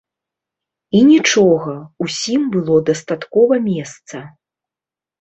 І нічога, усім было дастаткова месца.